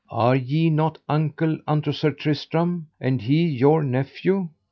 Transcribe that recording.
Are ye not uncle unto Sir Tristram, and he your nephew?